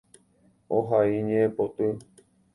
Ohai ñe'ẽpoty.